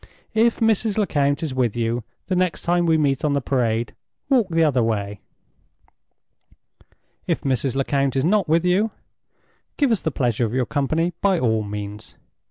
If Mrs. Lecount is with you, the next time we meet on the Parade, walk the other way. If Mrs. Lecount is not with you, give us the pleasure of your company by all means.